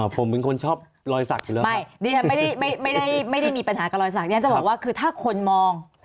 ผมเป็นคนชอบรอยสักหรือเปล่าไม่ไม่ได้มีปัญหากับรอยสักฉันจะบอกว่าคือถ้าคนมอง